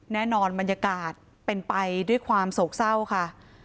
แน่นอนบรรยากาศเป็นไปด้วยความโศกเศร้าค่ะ